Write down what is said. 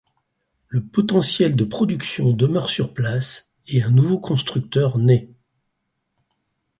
Le potentiel de production demeure sur place et un nouveau constructeur naît.